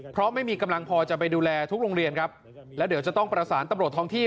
เพราะไม่มีกำลังพอจะไปดูแลทุกโรงเรียนครับแล้วเดี๋ยวจะต้องประสานตำรวจท้องที่